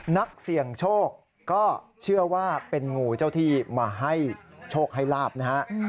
นักเสี่ยงโชคก็เชื่อว่าเป็นงูเจ้าที่มาให้โชคให้ลาบนะฮะ